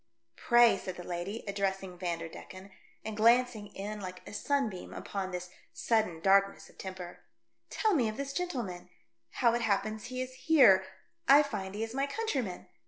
" Pray," said the lady, addressing Vander decken, and glancing in like a sunbeam upon this sudden darkness of temper, "tell me of this gentleman — how it happens he is here ; I find he is my countryman.